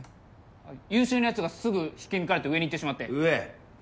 優秀なやつがすぐ引き抜かれて上に行ってしまって上？